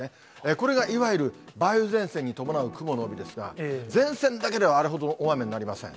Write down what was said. これがいわゆる梅雨前線に伴う雲の帯ですが、前線だけではあれほど大雨になりません。